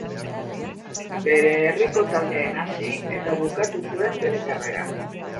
Bere herriko taldean hasi eta bukatu zuen bere karrera.